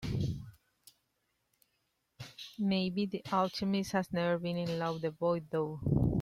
Maybe the alchemist has never been in love, the boy thought.